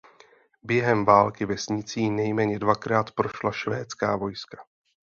Během války vesnicí nejméně dvakrát prošla švédská vojska.